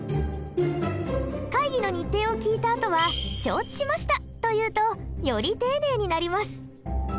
会議の日程を聞いたあとは「承知しました」と言うとより丁寧になります。